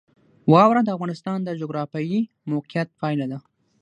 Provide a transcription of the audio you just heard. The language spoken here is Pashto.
واوره د افغانستان د جغرافیایي موقیعت پایله ده.